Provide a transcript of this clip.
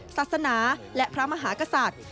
ศาสนาและพระมหากษัตริย์